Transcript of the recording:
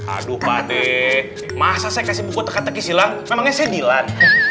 aduh pade masa saya kasih buku teka teki silang memangnya saya dilan